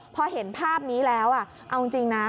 พอเห็นภาพนี้แล้วเอาจริงนะ